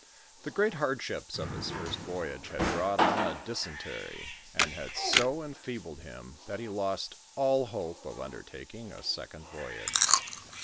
The great hardships of his first voyage had brought on a dys entery, and had so enfeebled him, that he lost all hope of un dertaking a second voyage.